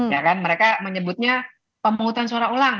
ya kan mereka menyebutnya pemungutan suara ulang